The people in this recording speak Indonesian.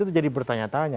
itu jadi bertanya tanya